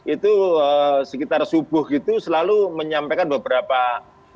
itu sekitar subuh gitu selalu menyampaikan beberapa informasi